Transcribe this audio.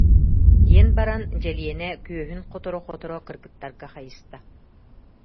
диэн баран Дьэлиэнэ күөһүн хоторо-хоторо кыргыттарга хайыста